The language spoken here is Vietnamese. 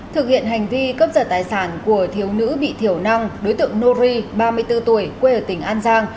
thực hiện hành vi cấp giật tài sản của thiếu nữ bị thiểu năng đối tượng nori ba mươi bốn tuổi quê ở tỉnh an giang